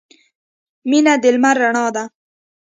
• مینه د لمر رڼا ده.